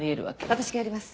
私がやります！